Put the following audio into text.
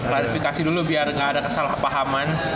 klarifikasi dulu biar nggak ada kesalahpahaman